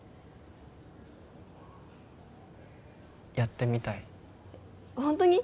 やってみたいホントに！？